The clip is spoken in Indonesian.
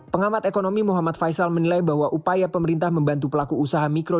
pengamat ekonomi muhammad faisal menilai bahwa upaya pemerintah membantu pelaku usaha mikro